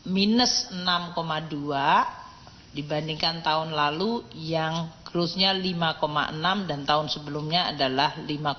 minus enam dua dibandingkan tahun lalu yang closenya lima enam dan tahun sebelumnya adalah lima enam